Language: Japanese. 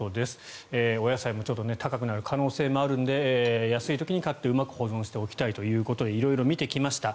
お野菜もちょっと高くなる可能性もあるので安い時に買ってうまく保存しておきたいということで色々見てきました。